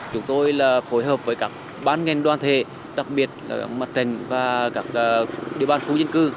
chúng tôi là phối hợp với các bán ngành đoàn thể đặc biệt là mặt trình và các địa bàn phố dân cư